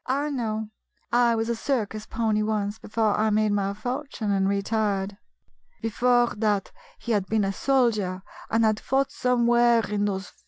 "I know: I was a circus pony once, before I made my fortune and retired." " Before that he had been a soldier, and had fought somewhere in those